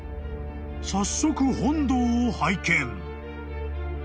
［早速本堂を拝見］